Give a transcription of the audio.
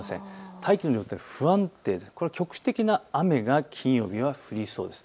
大気の状態が不安定で局地的な雨が降りそうです。